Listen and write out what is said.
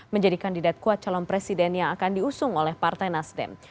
menjadi kandidat kuat calon presiden yang akan diusung oleh partai nasdem